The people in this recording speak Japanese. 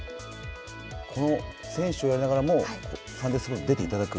この選手をやりながらも、サンデースポーツに出ていただく。